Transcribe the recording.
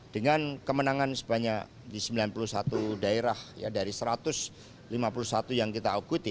dengan kemenangan sebanyak di sembilan puluh satu daerah ya dari satu ratus lima puluh satu yang kita aukuti